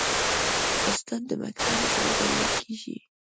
استاد د مکتب زړه بلل کېږي.